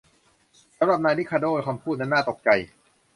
สำหรับนายริคาร์โด้คำพูดนั้นน่าตกใจ